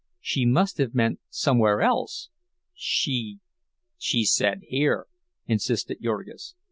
"She must have meant somewhere else. She—" "She said here," insisted Jurgis.